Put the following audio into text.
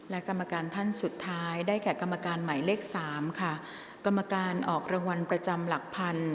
และกรรมการท่านสุดท้ายได้แก่กรรมการใหม่เลขสามค่ะกรรมการออกรางวัลประจำหลักพัน